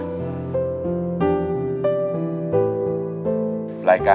ร้องได้ให้ล้าน